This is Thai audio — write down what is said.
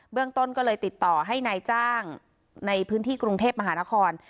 เรื่องต้นก็เลยติดต่อให้นายจ้างในพื้นที่กรุงเทพมหานคร